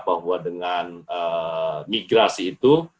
bahwa dengan migrasi itu